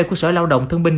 của sở lao động thương minh